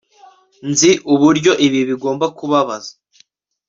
nzi uburyo ibi bigomba kubabaza